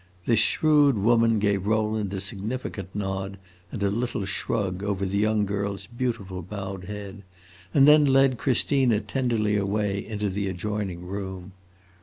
This shrewd woman gave Rowland a significant nod, and a little shrug, over the young girl's beautiful bowed head, and then led Christina tenderly away into the adjoining room.